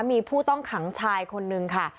มีผู้ต้องขังชายคนนึงค่ะ